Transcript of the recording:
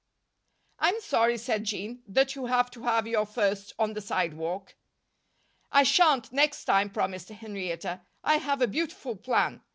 "I'm sorry," said Jean, "that you have to have your first on the sidewalk." "I shan't, next time," promised Henrietta. "I have a beautiful plan.